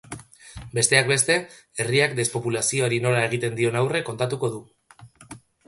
Besteak beste, herriak despopulazioari nola egiten dion aurre kontatuko du.